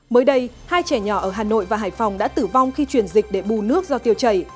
mới đây hai trẻ nhỏ ở hà nội và hải phòng đã tử vong khi chuyển dịch để bù nước do tiêu chảy